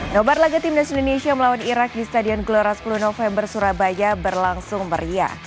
nobar laga timnas indonesia melawan irak di stadion gelora sepuluh november surabaya berlangsung meriah